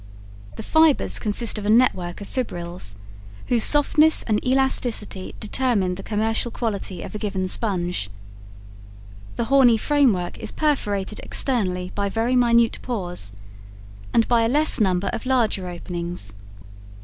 The fibers consist of a network of fibriles, whose softness and elasticity determine the commercial quality of a given sponge. The horny framework is perforated externally by very minute pores, and by a less number of larger openings.